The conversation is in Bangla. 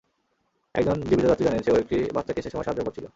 একজন জীবিত যাত্রী জানিয়েছে, ও একটি বাচ্চাকে সেসময় সাহায্য করছিল।